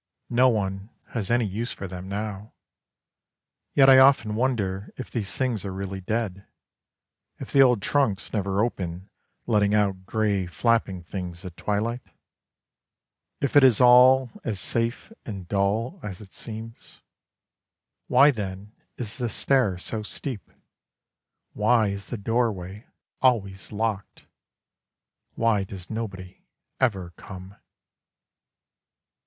No one has any use for them, now, Yet I often wonder If these things are really dead: If the old trunks never open Letting out grey flapping things at twilight? If it is all as safe and dull As it seems? Why then is the stair so steep, Why is the doorway always locked, Why does nobody ever come?